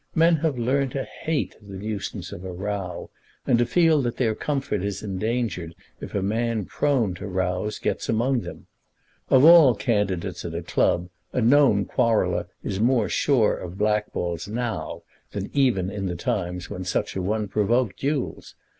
Men have learned to hate the nuisance of a row, and to feel that their comfort is endangered if a man prone to rows gets among them. Of all candidates at a club a known quarreller is more sure of blackballs now than even in the times when such a one provoked duels.